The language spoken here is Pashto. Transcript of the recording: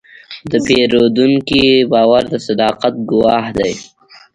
د پیرودونکي باور د صداقت ګواه دی.